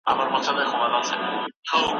پر خوله باندې لاس نيسم و هوا ته درېږم